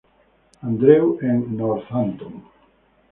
Andrew en Northampton.